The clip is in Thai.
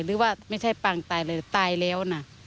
หรือว่าไม่ใช่ปางตายเลยแต่ตายแล้วน่ะ